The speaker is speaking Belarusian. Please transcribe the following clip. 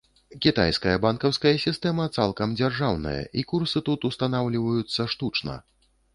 Кітайская банкаўская сістэма цалкам дзяржаўная, і курсы тут устанаўліваюцца штучна.